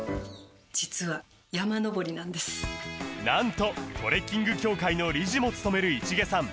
実はなんとトレッキング協会の理事も務める市毛さん